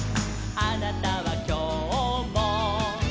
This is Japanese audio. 「あなたはきょうも」